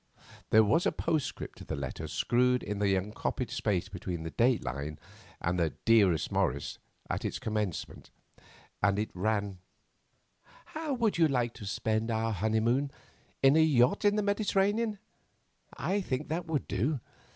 There was a postscript to the letter screwed into the unoccupied space between the date line and the "Dearest Morris" at its commencement. It ran: "How would you like to spend our honeymoon? In a yacht in the Mediterranean? I think that would do.